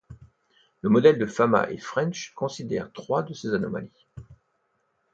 Le modèle de Fama et French considèrent trois de ces anomalies.